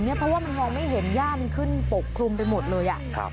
เพราะว่ามันมองไม่เห็นย่ามันขึ้นปกคลุมไปหมดเลย